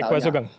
baik pak sugeng